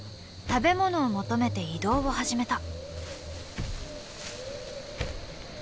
食べ物を求めて移動を始めた。